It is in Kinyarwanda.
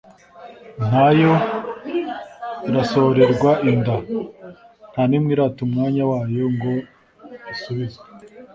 nta yo irasohorerwa inda: nta n’imwe irata umwanya wayo ngo isubizwe